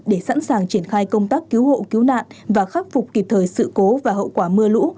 để sẵn sàng triển khai công tác cứu hộ cứu nạn và khắc phục kịp thời sự cố và hậu quả mưa lũ